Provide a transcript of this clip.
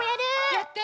やって。